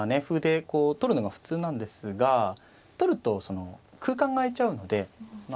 歩で取るのが普通なんですが取ると空間が空いちゃうので。